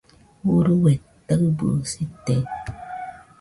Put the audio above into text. Urue taɨbɨsite